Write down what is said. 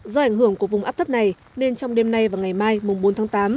do ảnh hưởng của vùng áp thấp này nên trong đêm nay và ngày mai bốn tháng tám